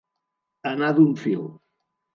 Anar d'un fil.